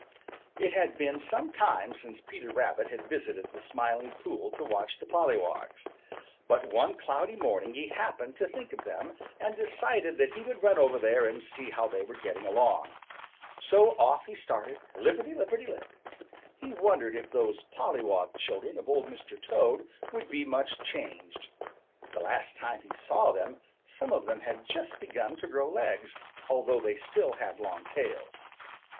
It had been some time since Peter Rabbit had visited the Smiling Pool to watch the pollywogs. But one cloudy morning he happened to think of them, and decided that he would run over there and see how they were getting along. So off he started, lipperty lipperty lip. He wondered if those pollywog children of Old Mr. Toad would be much changed. The last time he saw them some of them had just begun to grow legs, although they still had long tails.